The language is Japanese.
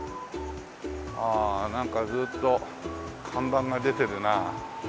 ああなんかずっと看板が出てるな。